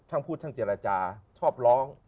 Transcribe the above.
พูดช่างเจรจาชอบร้อง